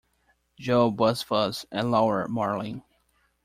Joe Buzzfuzz and Laura Marling.